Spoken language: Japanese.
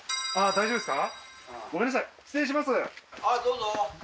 大丈夫ですか？